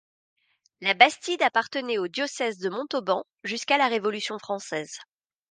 La bastide appartenait au diocèse de Montauban jusqu'à la Révolution Française.